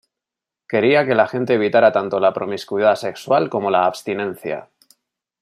Quería que la gente evitara tanto la promiscuidad sexual como la abstinencia.